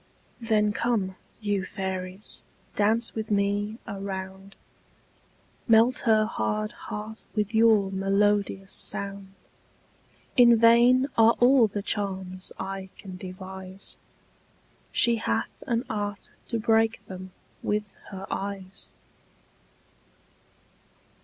Then come, you fairies, dance with me a round; Melt her hard heart with your melodious sound. In vain are all the charms I can devise; She hath an art to break them with her eyes.